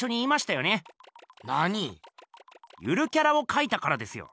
ゆるキャラをかいたからですよ。